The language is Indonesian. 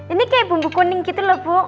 ini kayak bumbu kuning gitu loh bu